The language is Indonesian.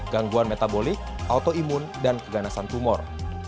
gangguan metabolik autoimun dan keganasan tumor